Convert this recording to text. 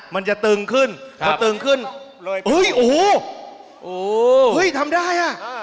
มันจะตึงขึ้นถ้าตึงขึ้นอุ้ยโอ้โหอุ้ยฮึยทำได้อ่ะ